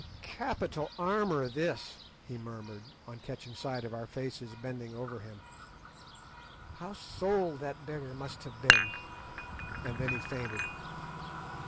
"Capital armour this," he murmured, on catching sight of our faces bending over him. "How sold that beggar must have been," and then he fainted.